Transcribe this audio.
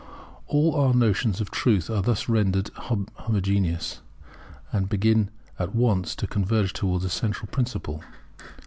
All our notions of truth are thus rendered homogeneous, and begin at once to converge towards a central principle.